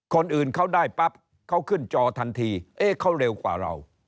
คนอื่นเขาได้ปั๊บเขาขึ้นจอทันทีเอ๊ะเขาเร็วกว่าเรา